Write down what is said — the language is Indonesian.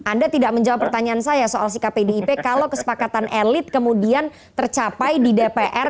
anda tidak menjawab pertanyaan saya soal sikap pdip kalau kesepakatan elit kemudian tercapai di dpr